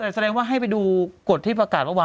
แต่แสดงว่าให้ไปดูโกรธที่ประกาศประวัติผู้ชาย